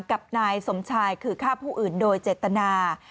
กับนายสมชายคือฆ่าผู้อื่นโดยเจตนา